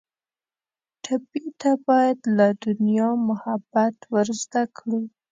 ټپي ته باید له دنیا محبت ور زده کړو.